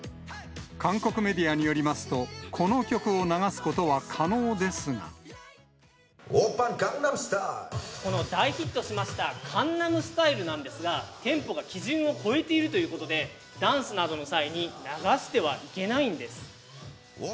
韓国メディアによりますと、この大ヒットしました、カンナムスタイルなんですが、テンポが基準を超えているということで、ダンスなどの際に流してはいけないんです。